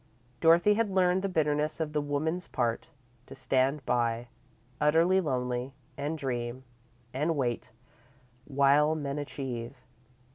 Dorothy had learned the bitterness of the woman's part, to stand by, utterly lonely, and dream, and wait, while men achieve.